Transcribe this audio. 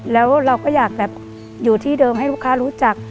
แล้วเราก็อยากแบบอยู่ที่เดิมให้ลูกค้ารู้จัก